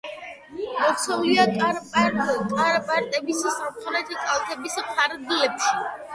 მოქცეულია კარპატების სამხრეთი კალთების ფარგლებში.